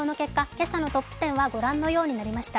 今朝のトップ１０はご覧のようになりました。